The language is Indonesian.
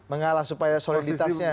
mengalah supaya soliditasnya